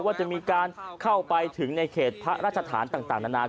ว่าจะมีการเข้าไปถึงในเขตพระราชฐานต่างนานา